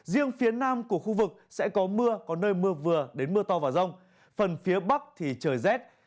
riêng phía nam của khu vực sẽ có mưa có nơi mưa vừa đến mưa to và rông phần phía bắc thì trời rét